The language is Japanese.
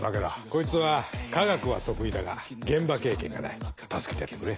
こいつは科学は得意だが現場経験がない助けてやってくれ。